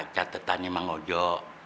catetannya emang ojo